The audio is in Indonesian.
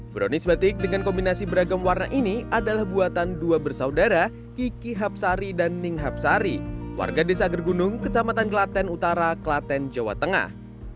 brownies batik dengan kombinasi beragam warna ini adalah buatan dua bersaudara kiki hapsari dan ning hapsari warga desa gergunung kecamatan klaten utara klaten jawa tengah